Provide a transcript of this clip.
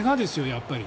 やっぱり。